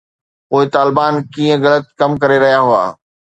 پوءِ طالبان ڪيئن غلط ڪم ڪري رهيا هئا؟